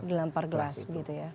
dilempar gelas gitu ya